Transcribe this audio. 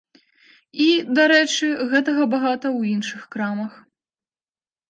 І, дарэчы, гэтага багата ў іншых крамах.